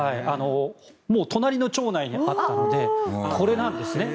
もう隣の町内にあったのでこれなんですね。